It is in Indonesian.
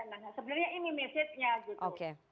sebenarnya ini mesejnya gitu